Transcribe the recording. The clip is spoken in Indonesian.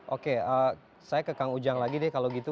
oke saya ke kang ujang lagi deh kalau gitu